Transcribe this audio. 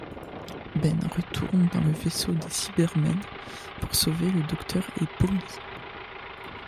Ben retourne dans le vaisseau des Cybermen pour sauver le Docteur et Polly.